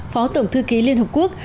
phó tổng thư ký liên hợp quốc